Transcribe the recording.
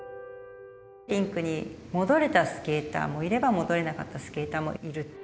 リンクに戻れたスケーターもいれば、戻れなかったスケーターもいる。